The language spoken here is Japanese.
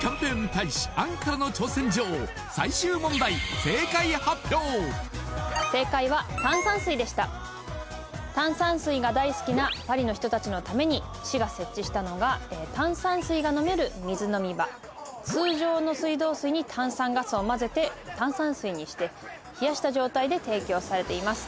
最終問題正解は炭酸水でした炭酸水が大好きなパリの人たちのために市が設置したのが炭酸水が飲める水飲み場通常の水道水に炭酸ガスを混ぜて炭酸水にして冷やした状態で提供されています